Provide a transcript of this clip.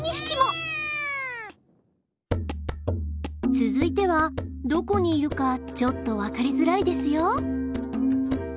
続いてはどこにいるかちょっと分かりづらいですよ。